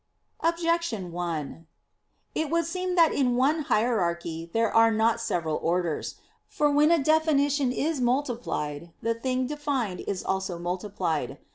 Objection 1: It would seem that in the one hierarchy there are not several orders. For when a definition is multiplied, the thing defined is also multiplied.